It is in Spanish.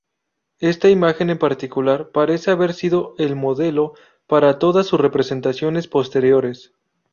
Esta imagen en particular parece haber sido el modelo para todas su representaciones posteriores.